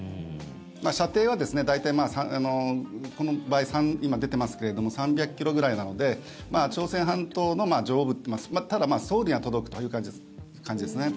射程は大体今、出ていますけれども３００ｋｍくらいなので朝鮮半島の上部ただ、ソウルには届くという感じですね。